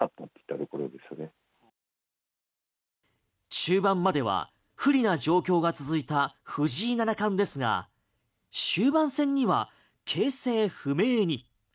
中盤までは不利な状況が続いた藤井七冠ですが終盤戦には形勢不明に。